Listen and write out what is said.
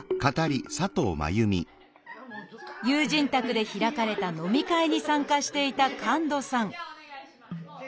友人宅で開かれた飲み会に参加していた神門さん